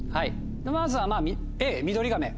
まずは「Ａミドリガメ」。